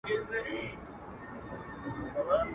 نه يوه ورځ پاچهي سي اوږدېدلاى.